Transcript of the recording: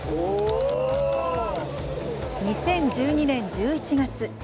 ２０１２年１１月。